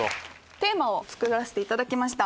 テーマを作らせていただきました